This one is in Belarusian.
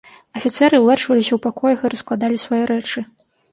Афіцэры ўладжваліся ў пакоях і раскладалі свае рэчы.